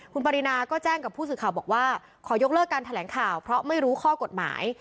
คุณปรินาก็แจ้งกับผู้สื่อข่าวบอกว่าขอยกเลิกการแถลงข่าวเพราะไม่รู้ข้อกฎหมาย